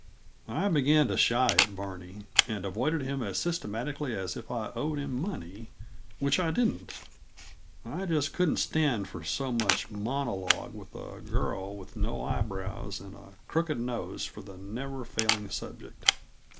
I began to shy at Barney, and avoided him as systematically as if I owed him money; which I didn't. I just couldn't stand for so much monologue with a girl with no eyebrows and a crooked nose for the never failing subject.